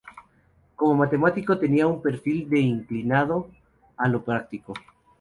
Como matemático tenía un perfil de inclinado a lo práctico.